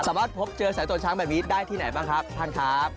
พบเจอสายตรวจช้างแบบนี้ได้ที่ไหนบ้างครับท่านครับ